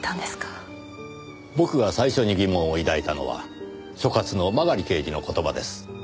僕が最初に疑問を抱いたのは所轄の曲刑事の言葉です。